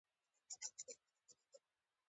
غرمه د ساده ژوندي پېر دی